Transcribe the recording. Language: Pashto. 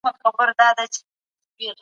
ذهني تمرین فشار کموي.